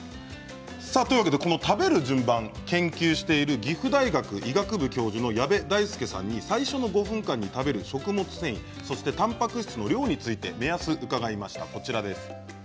この食べる順番を研究している岐阜大学医学部教授の矢部大介さんに最初の５分間に食べる食物繊維たんぱく質の量について目安を伺いました。